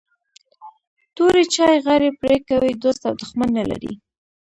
توري چي غاړي پرې کوي دوست او دښمن نه لري